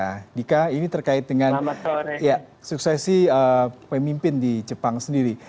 adhika ini terkait dengan suksesi pemimpin di jepang sendiri